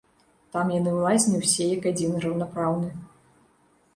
Там яны ў лазні ўсе як адзін раўнапраўны.